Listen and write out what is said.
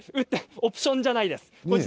オプションじゃないです。